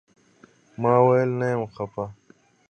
ما وويل نه يم خپه.